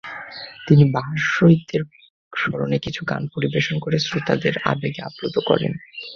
তিনি ভাষাশহীদদের স্মরণে কিছু গান পরিবেশন করে শ্রোতাদের আবেগে আল্পুত করেন।